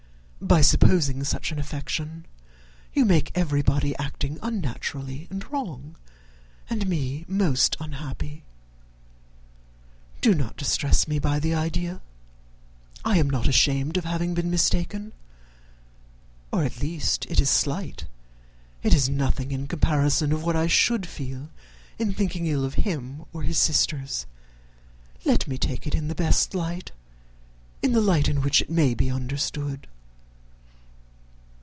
By supposing such an affection, you make everybody acting unnaturally and wrong, and me most unhappy. Do not distress me by the idea. I am not ashamed of having been mistaken or, at least, it is slight, it is nothing in comparison of what I should feel in thinking ill of him or his sisters. Let me take it in the best light, in the light in which it may be understood."